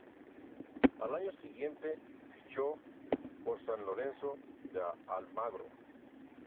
Al año siguiente fichó por San Lorenzo de Almagro.